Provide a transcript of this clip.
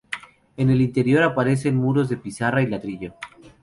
En el interior aparecen muros de pizarra y ladrillo.